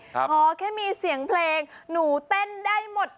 ขอแค่มีเสียงเพลงหนูเต้นได้หมด